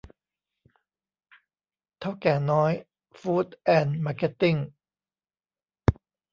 เถ้าแก่น้อย ฟู๊ดแอนด์มาร์เก็ตติ้ง